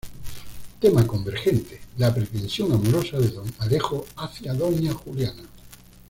Tema convergente: la pretensión amorosa de don Alejo hacia doña Juliana.